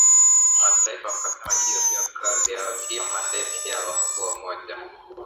wa Mataifa wakasema hiyo sio kazi yao sio mandate yao Wakuu wa Umoja